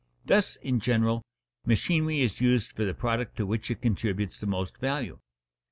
Thus, in general, machinery is used for the product to which it contributes the most value.